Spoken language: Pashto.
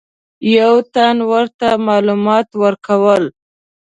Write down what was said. یو تن ورته معلومات ورکول.